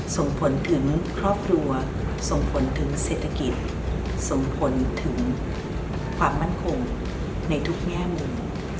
ส่งผลถึงครอบครัวส่งผลถึงเศรษฐกิจส่งผลถึงความมั่นคงในทุกแง่มุม